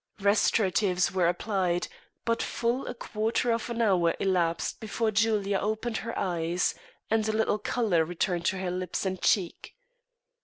Restoratives were applied, but full a quarter of an hour elapsed before Julia opened her eyes, and a little colour returned to her lips and cheek.